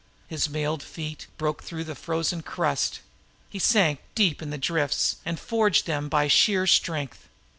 His mailed feet broke through the frozen crust; he sank deep in the drifts and forged through them by sheer strength.